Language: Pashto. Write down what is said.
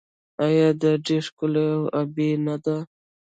آیا دا ډیره ښکلې او ابي نه ده؟